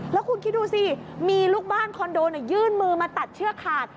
แล้วคุณคิดดูสิมีลูกบ้านคอนโดยยื่นมือมาตัดเชือกขาด